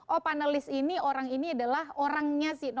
oh panelis ini orang ini adalah orangnya si